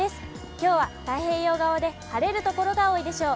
きょうは太平洋側で晴れる所が多いでしょう。